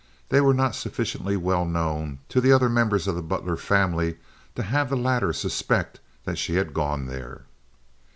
They were not sufficiently well known to the other members of the Butler family to have the latter suspect that she had gone there.